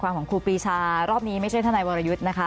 ของครูปีชารอบนี้ไม่ใช่ทนายวรยุทธ์นะคะ